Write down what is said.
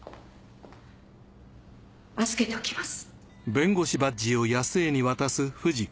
預けておきます。